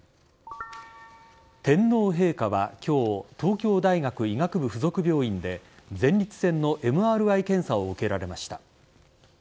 天皇陛下は今日東京大学医学部附属病院で前立腺のＭＲＩ検査を受けられました。